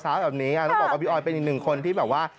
แบบนี้ต้องบอกว่าพี่ออยเป็นอีกหนึ่งคนที่แบบว่า